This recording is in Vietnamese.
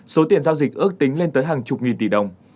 số tiền giao dịch ước tính lên tới hàng chục nghìn tỷ đồng